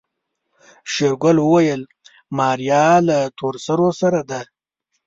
شېرګل وويل ماريا له تورسرو سره ده.